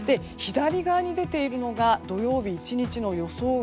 左側に出ているのが土曜日１日の予想